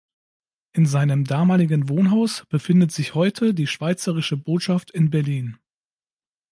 In seinem damaligen Wohnhaus befindet sich heute die Schweizerische Botschaft in Berlin.